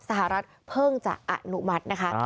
สหรัฐเพิ่งจะอนุมัตินะคะ